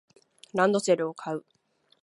ランドセルを買う